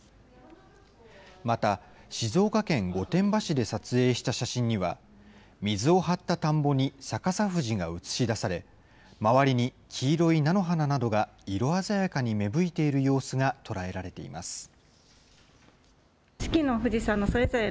また、静岡県御殿場市で撮影した写真には、水を張った田んぼに逆さ富士が映し出され、周りに黄色い菜の花などが色鮮やかに芽吹いている様子が捉えられています。